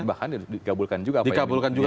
bahkan dikabulkan juga dikabulkan juga